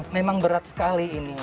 memang berat sekali ini